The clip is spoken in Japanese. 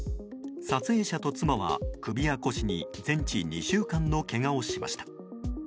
撮影者と妻は首や腰に全治２週間のけがをしました。